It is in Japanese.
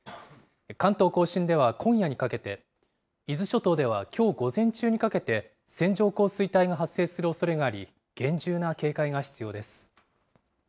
関東甲信では今夜にかけて、伊豆諸島ではきょう午前中にかけて、線状降水帯が発生するおそれがあり、厳重な警戒が必要です。